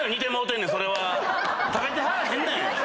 食べてはらへんねん。